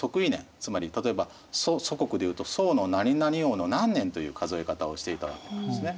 つまり例えば楚国でいうと楚のなになに王の何年という数え方をしていたわけなんですね。